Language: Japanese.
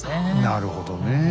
なるほどね。